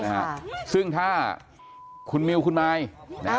ก็กลายเป็นว่าติดต่อพี่น้องคู่นี้ไม่ได้เลยค่ะ